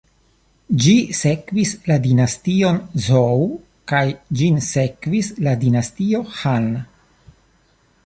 Ĝi sekvis la Dinastion Zhou, kaj ĝin sekvis la Dinastio Han.